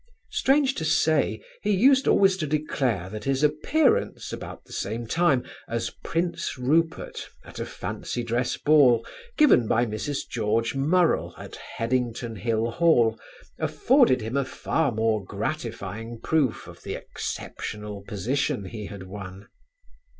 Strange to say he used always to declare that his appearance about the same time as Prince Rupert, at a fancy dress ball, given by Mrs. George Morrell, at Headington Hill Hall, afforded him a far more gratifying proof of the exceptional position he had won.